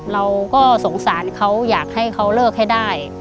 เราก็สงสารเขาอยากให้เขาเลิกให้ได้